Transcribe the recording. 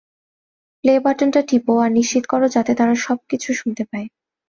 Play বাটনটা টিপো আর নিশ্চিত করো যাতে তারা সবকিছু শুনতে পায়।